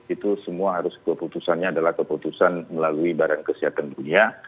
itu semua harus keputusannya adalah keputusan melalui badan kesehatan dunia